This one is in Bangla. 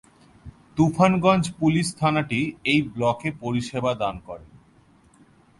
তুফানগঞ্জ পুলিশ থানাটি এই ব্লকে পরিষেবা দান করে।